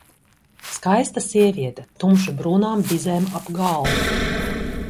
Skaista sieviete, tumši brūnām bizēm ap galvu.